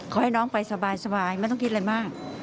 ขอให้น้องไปสบายไม่ต้องคิดอะไรมาก